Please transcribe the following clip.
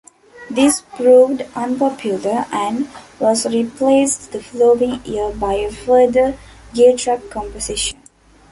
This proved unpopular, and was replaced the following year by a further Giltrap composition.